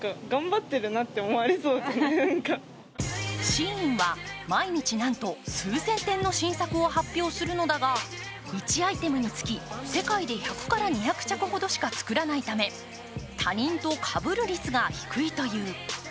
更にＳＨＥＩＮは毎日なんと数千点の新作を発表するのだが１アイテムにつき、世界で１００２００着ほどしか作らないため、他人とかぶる率が低いという。